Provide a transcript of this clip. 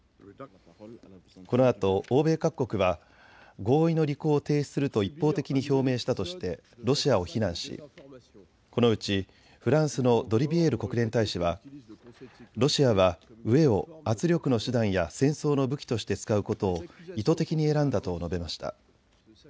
このあと欧米各国は合意の履行停止すると一方的に表明したとしてロシアを非難し、このうちフランスのドリビエール国連大使はロシアは飢えを圧力の手段や戦争の武器として使うことを意図的に選んだと述べました。